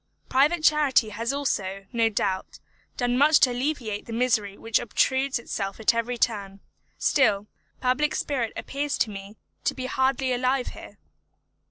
Private charity has also, no doubt, done much to alleviate the misery which obtrudes itself at every turn; still, public spirit appears to me to be hardly alive here.